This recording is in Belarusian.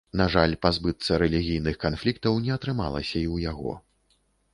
На жаль, пазбыцца рэлігійных канфліктаў не атрымалася і ў яго.